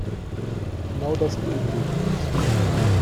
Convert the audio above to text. Genau das beunruhigt uns.